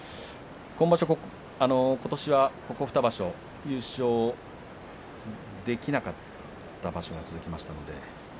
ことしはここ２場所優勝できなかった場所が続きました。